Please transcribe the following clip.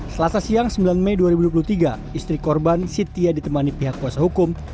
selasa siang sembilan mei dua ribu dua puluh tiga istri korban sitia ditemani pihak kuasa hukum